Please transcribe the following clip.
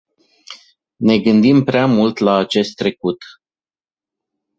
Ne gândim prea mult la acest trecut.